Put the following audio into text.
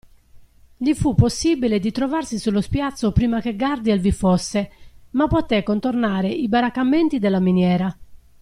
Gli fu possibile di trovarsi sullo spiazzo prima che Gardiel vi fosse, ma potè contornare i baraccamenti della miniera.